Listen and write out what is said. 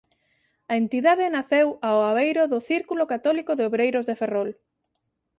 A entidade naceu ao abeiro do Círculo Católico de Obreiros de Ferrol.